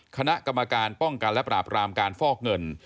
คณะกรรมการป้องกันและปราบรามการฟอกเงิน